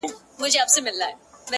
o پر دې گناه خو ربه راته ثواب راکه،